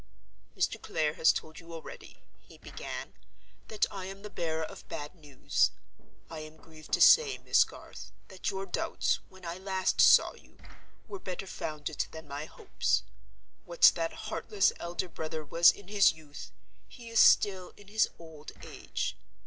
"Mr. Clare has told you already," he began, "that I am the bearer of bad news. I am grieved to say, Miss Garth, that your doubts, when I last saw you, were better founded than my hopes. What that heartless elder brother was in his youth, he is still in his old age.